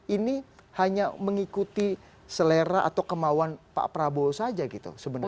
ini hanya mengikuti selera atau kemauan pak prabowo saja gitu sebenarnya